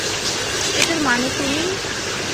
এটার মানে তুমি!